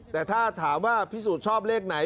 แต่ถ้าถามว่าพิสูจน์ชอบเลขไหน